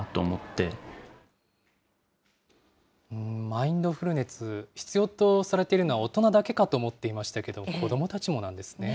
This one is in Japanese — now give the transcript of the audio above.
マインドフルネス、必要とされているのは、大人だけかと思っていましたけれども、子どもたちもなんですね。